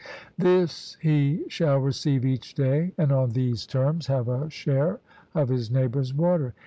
This he shall receive each day, and on these terms have a share of his neighbours' water.